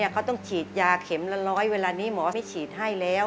เขาต้องฉีดยาเข็มละร้อยเวลานี้หมอให้ฉีดให้แล้ว